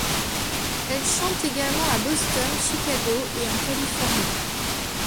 Elle chante également à Boston, Chicago, et en Californie.